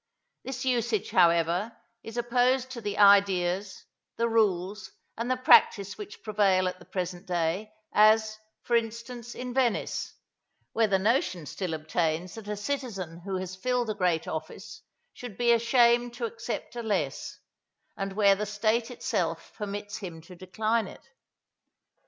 This usage, however, is opposed to the ideas, the rules, and the practice which prevail at the present day, as, for instance, in Venice, where the notion still obtains that a citizen who has filled a great office should be ashamed to accept a less; and where the State itself permits him to decline it.